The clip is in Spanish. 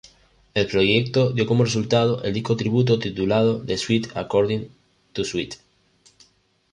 El proyecto dio como resultado el disco tributo titulado The Sweet According To Sweet.